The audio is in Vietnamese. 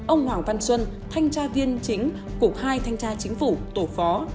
ông hoàng văn xuân thanh tra viên chính cục hai thanh tra chính phủ tổ phó